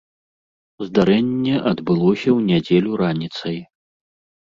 Здарэнне адбылося ў нядзелю раніцай.